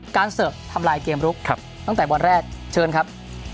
เสิร์ฟทำลายเกมลุกตั้งแต่บอลแรกเชิญครับ